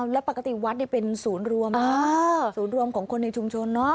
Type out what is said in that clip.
แล้วปกติวัดเป็นศูนย์รวมศูนย์รวมของคนในชุมชนเนอะ